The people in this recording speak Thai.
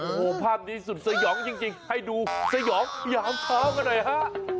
โอ้โหภาพนี้สุดสยองจริงให้ดูสยองยามเช้ากันหน่อยฮะ